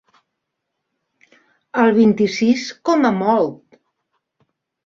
El vint-i-sis com a molt.